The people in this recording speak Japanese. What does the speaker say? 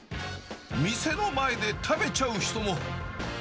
店の前で食べちゃう人も。